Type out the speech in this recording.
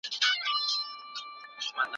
هغه د کرکې دوام نه غوښت.